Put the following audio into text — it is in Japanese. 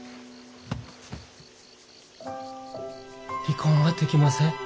離婚はできません。